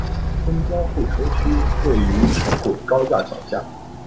公交候车区位于城轨高架桥下。